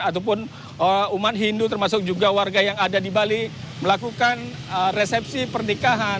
ataupun umat hindu termasuk juga warga yang ada di bali melakukan resepsi pernikahan